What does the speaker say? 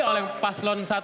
oleh paslon satu